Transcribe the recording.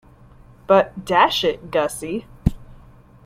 But, dash it, Gussie.